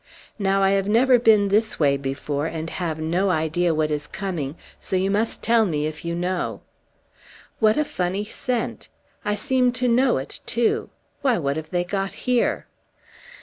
Now, I have never been this way before, and have no idea what is coming, so you must tell me, if you know. What a funny scent! I seem to know it, too. Why, what have they got here?"